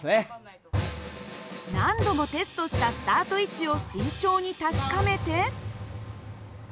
何度もテストしたスタート位置を慎重に確かめて。